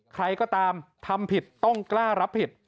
ใครก็ตามทำผิดต้องกล้ารับผิด